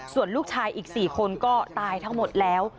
ส่วนลูกชายอีก๔คนก็ตายทั้งหมดแล้ว